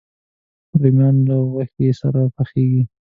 رومیان له غوښې سره پخېږي